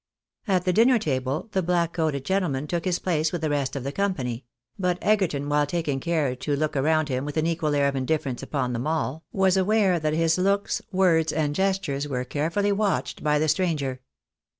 At the dinner table, the black coated gentleman took his place with the rest of the company ; but Egerton while taking care to ok around him with an equal air of indifference upon them all, aware that his looks, words, and gestures were carefliUy a,tched by the stranger.